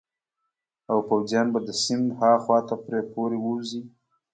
او پوځیان به د سیند هاخوا ته پرې پورې ووزي.